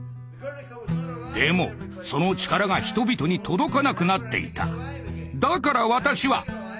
でもその力が人々に届かなくなっていた。